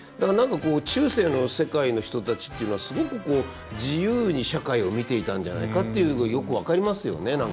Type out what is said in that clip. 何かこう中世の世界の人たちっていうのはすごくこう自由に社会を見ていたんじゃないかっていうことがよく分かりますよね